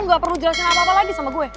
gak perlu jelasin apa apa lagi sama gue